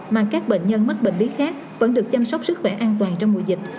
mà các bệnh nhân mắc bệnh lý khác vẫn được chăm sóc sức khỏe an toàn trong mùa dịch